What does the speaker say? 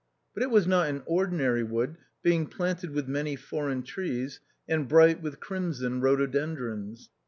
But it was not an ordinary wood, being planted with many foreign trees, and bright with crimson rhodo dendrons.